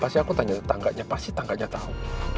pasti aku tanya tetangganya pasti tangganya tahu